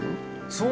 そう。